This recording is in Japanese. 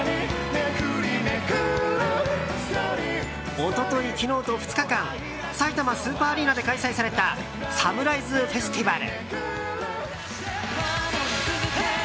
一昨日、昨日と２日間さいたまスーパーアリーナで開催されたサムライズフェスティバル。